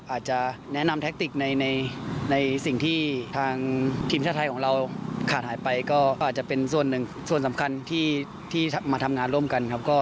อาจจะแนะนำแท็กติกในสิ่งที่ทางทีมชาติไทยของเราขาดหายไปก็อาจจะเป็นส่วนหนึ่งส่วนสำคัญที่มาทำงานร่วมกันครับ